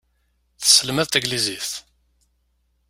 Tesselmad taglizit.